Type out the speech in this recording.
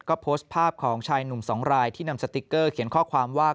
ก็โพสต์ภาพของชายหนุ่มสองรายที่นำสติ๊กเกอร์เขียนข้อความว่า